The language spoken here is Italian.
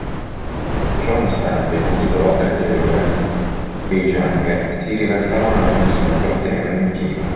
Ciononostante, molti burocrati del governo Beiyang si riversarono a Nanchino per ottenere un impiego.